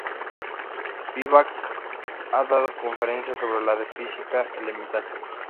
Spivak ha dado conferencias sobre la física elemental.